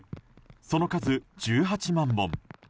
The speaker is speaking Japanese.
その数、１８万本。